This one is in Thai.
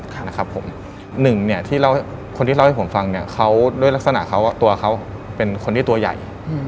๑คนที่เล่าให้ผมฟังด้วยลักษณะตัวเขาเป็นคนที่ตัวใหญ่